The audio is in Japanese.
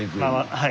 はい。